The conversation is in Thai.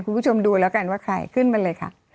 คุณผู้ชมดูแล้วกันว่าใครขึ้นมาเลยค่ะ